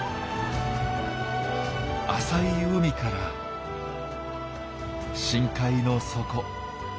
浅い海から深海の底。